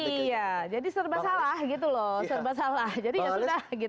iya jadi serba salah gitu loh serba salah jadi ya sudah